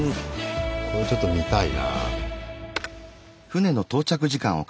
これちょっと見たいな。